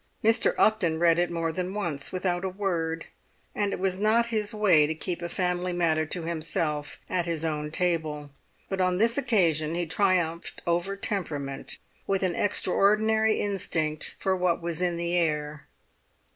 Mr. Upton read it more than once without a word; and it was not his way to keep a family matter to himself at his own table; but on this occasion he triumphed over temperament with an extraordinary instinct for what was in the air.